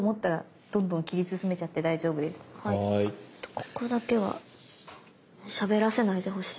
ここだけはしゃべらせないでほしい。